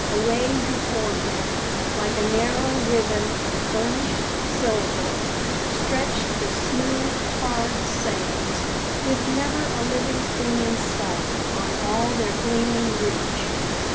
Away before him, like a narrow ribbon of burnished silver, stretched the smooth, hard sands, with never a living thing in sight on all their gleaming reach.